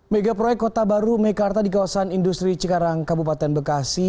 mega proyek kota baru mekarta di kawasan industri cikarang kabupaten bekasi